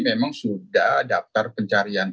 memang sudah daftar pencarian